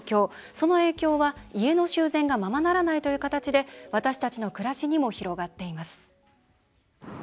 その影響は、家の修繕がままならないという形で私たちの暮らしにも広がっています。